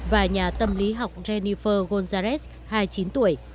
và nhà tâm lý học jennifer gonzález hai mươi chín tuổi